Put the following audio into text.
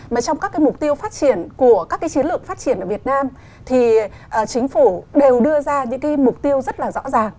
mà trong các cái mục tiêu phát triển của các cái chiến lược phát triển ở việt nam thì chính phủ đều đưa ra những cái mục tiêu rất là rõ ràng